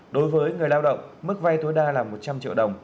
đối với người lao động mức vay tối đa là một trăm linh triệu đồng